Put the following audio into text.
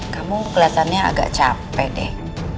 kamu kelihatannya agak capek deh